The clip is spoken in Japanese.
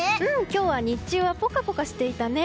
今日は日中はポカポカしていたね。